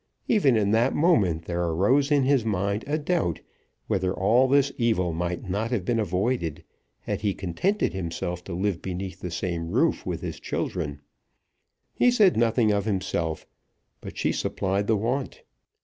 Even in that moment there arose in his mind a doubt, whether all this evil might not have been avoided, had he contented himself to live beneath the same roof with his children. He said nothing of himself, but she supplied the want.